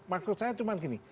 menurut saya cuma gini